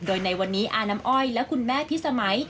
โดยในวันนี้อาน้ำอ้อยและคุณแม่พิสมัย